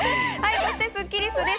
そしてスッキりすです。